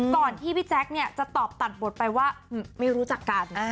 ที่พี่แจ๊คจะตอบตัดบทไปว่าไม่รู้จักกัน